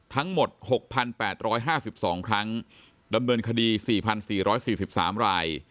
ทั้งหมด๖๘๕๒ครั้งดำเนินคดี๔๔๔๓ราย